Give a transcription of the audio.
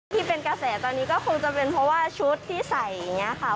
ที่เป็นกระแสตอนนี้ก็คงจะเป็นเพราะว่าชุดที่ใส่อย่างนี้ค่ะ